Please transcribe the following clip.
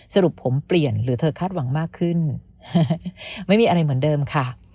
สรุปผมเปลี่ยนหรือเธอคาดหวังมากขึ้นไม่มีอะไรเหมือนเดิมค่ะ